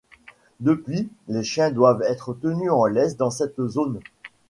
Depuis, les chiens doivent être tenus en laisse dans cette zone.